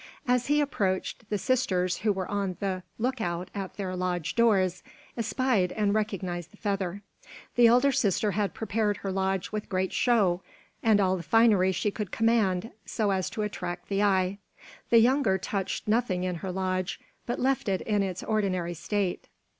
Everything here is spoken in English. As he approached, the sisters, who were on the look out at their lodge doors, espied and recognized the feather. The elder sister had prepared her lodge with great show, and all the finery she could command, so as to attract the eye. The younger touched nothing in her lodge, but left it in its ordinary state.